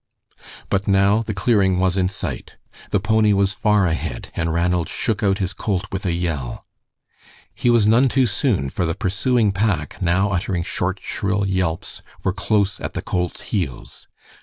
But now the clearing was in sight. The pony was far ahead, and Ranald shook out his colt with a yell. He was none too soon, for the pursuing pack, now uttering short, shrill yelps, were close at the colt's heels.